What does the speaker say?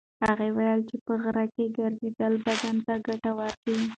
هغه وویل چې په غره کې ګرځېدل بدن ته ګټور دي.